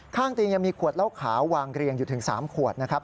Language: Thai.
ข้างเตียงยังมีขวดเหล้าขาววางเรียงอยู่ถึง๓ขวดนะครับ